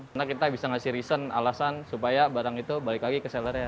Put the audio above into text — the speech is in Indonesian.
karena kita bisa ngasih reason alasan supaya barang itu balik lagi ke sellernya